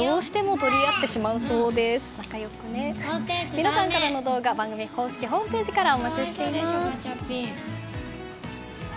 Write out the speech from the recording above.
皆さんからの動画番組公式ホームページからお待ちしております。